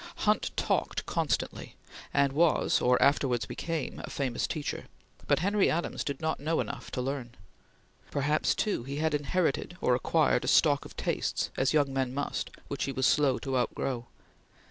Hunt talked constantly, and was, or afterwards became, a famous teacher, but Henry Adams did not know enough to learn. Perhaps, too, he had inherited or acquired a stock of tastes, as young men must, which he was slow to outgrow.